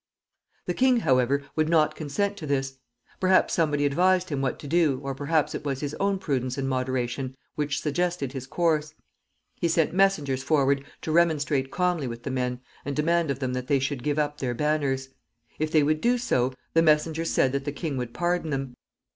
The king, however, would not consent to this. Perhaps somebody advised him what to do, or perhaps it was his own prudence and moderation which suggested his course. He sent messengers forward to remonstrate calmly with the men, and demand of them that they should give up their banners. If they would do so, the messengers said that the king would pardon them.